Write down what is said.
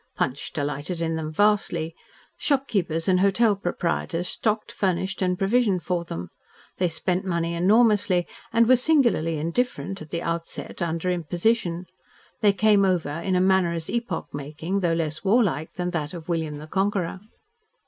Punch delighted in them vastly. Shopkeepers and hotel proprietors stocked, furnished, and provisioned for them. They spent money enormously and were singularly indifferent (at the outset) under imposition. They "came over" in a manner as epoch making, though less war like than that of William the Conqueror.